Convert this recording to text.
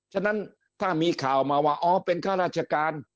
ฉะนั้นถ้ามีข่าวมาว่าอ๋อเป็นข้าราชการ